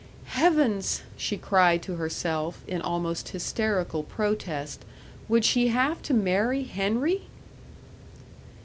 Heavens! she cried to herself, in almost hysterical protest, would she have to marry Henry?